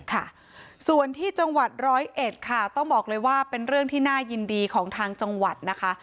ค่ะส่วนที่จังหวัดร้อยเอ็ดค่ะต้องบอกเลยว่าเป็นเรื่องที่น่ายินดีของทางจังหวัดนะคะ